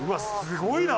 すごい！